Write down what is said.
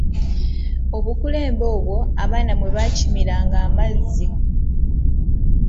Obukulembe obwo abaana mwe baakimiranga amazzi.